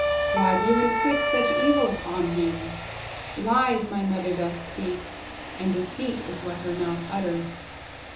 Why do you inflict such evil upon him? Lies my mother doth speak, and deceit is what her mouth uttereth.